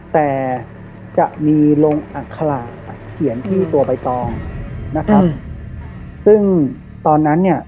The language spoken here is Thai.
แต่จะมีลงอัคระเขียนที่ตัวใบตองนะครับซึ่งตอนนั้นเนี่ย